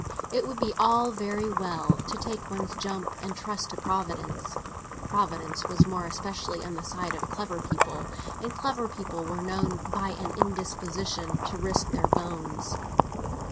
It would be all very well to take one's jump and trust to Providence; Providence was more especially on the side of clever people, and clever people were known by an indisposition to risk their bones.